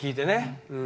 うん。